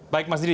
baik mas diri